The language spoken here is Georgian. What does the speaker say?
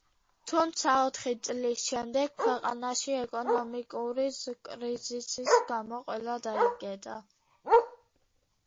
თუმცა, ოთხი წლის შემდეგ, ქვეყანაში ეკონომიკური კრიზისის გამო ყველა დაიკეტა.